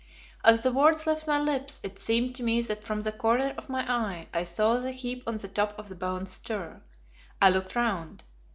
As the words left my lips it seemed to me that from the corner of my eye I saw the heap on the top of the bones stir. I looked round.